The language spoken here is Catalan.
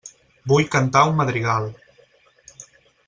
Vull cantar un madrigal.